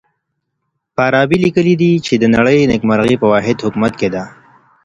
فارابي ليکلي دي چي د نړۍ نېکمرغي په واحد حکومت کي ده.